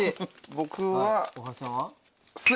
僕は。